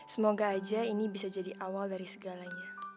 semoga aja ini bisa jadi awal dari segalanya